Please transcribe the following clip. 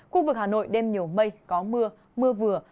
khu vực hà nội đêm nhiều mây có mưa mưa vừa